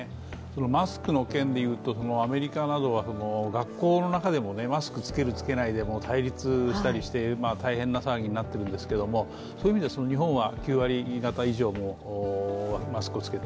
マスクの件で言うと、アメリカなどは学校の中でもマスクを着ける着けないで対立したりして大変な騒ぎになってるんですけどもそういう意味で日本は９割方以上もマスクをつける。